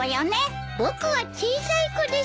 僕は小さい子です。